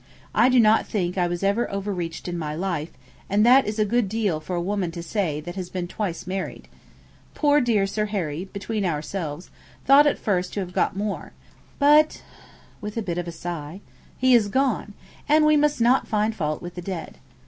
I do not think I was ever overreached in my life; and that is a good deal for a woman to say that has been twice married. Poor dear Sir Harry (between ourselves) thought at first to have got more, but (with a bit of a sigh) he is gone, and we must not find fault with the dead.